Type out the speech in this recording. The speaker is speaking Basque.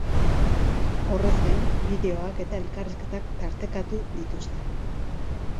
Horrez gain, bideoak eta elkarrizketak tartekatu dituzte.